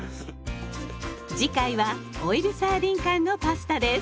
次回はオイルサーディン缶のパスタです。